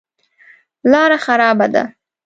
لاره خرابه ده.